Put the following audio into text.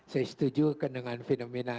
saya setuju dengan fenomena